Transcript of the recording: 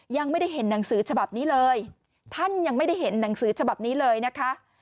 ยังไม่ได้เห็นหนังสือฉบับนี้เลยท่านยังไม่ได้เห็นหนังสือฉบับนี้เลยนะคะ